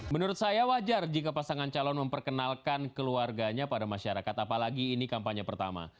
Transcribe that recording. menurut saya wajar jika pasangan calon memperkenalkan keluarganya pada masyarakat apalagi ini kampanye pertama